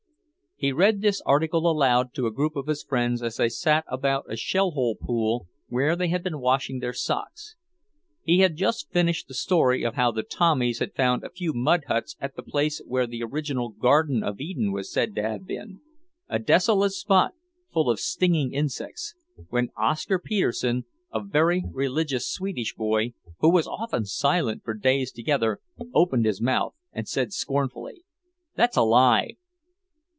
He read this article aloud to a group of his friends as they sat about a shell hole pool where they had been washing their socks. He had just finished the story of how the Tommies had found a few mud huts at the place where the original Garden of Eden was said to have been, a desolate spot full of stinging insects when Oscar Petersen, a very religious Swedish boy who was often silent for days together, opened his mouth and said scornfully, "That's a lie!"